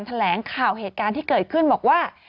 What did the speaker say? แถลงข่าวเหตุการณ์ที่เกิดขึ้นบอกว่า